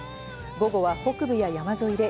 午後は北部や山沿いで